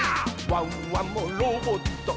「ワンワンもロボット」